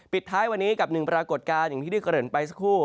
ติดท้ายวันนี้กับ๑ปรากฏการณ์อย่างที่ได้เกิดไปสักครู่